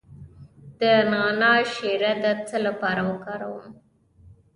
د نعناع شیره د څه لپاره وکاروم؟